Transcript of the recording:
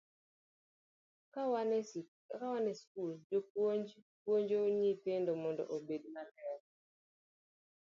Ka wan e skul, jopuonj puonjo nyithindo mondo obed maler.